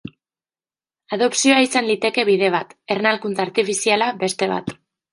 Adopzioa izan liteke bide bat, ernalkuntza artifiziala beste bat.